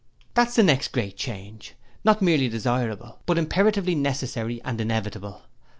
'That is the next great change; not merely desirable, but imperatively necessary and inevitable!